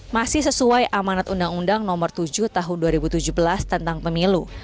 masih sesuai amanat undang undang nomor tujuh tahun dua ribu tujuh belas tentang pemilu